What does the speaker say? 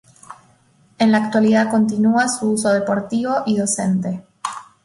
En la actualidad continúa su uso deportivo y docente.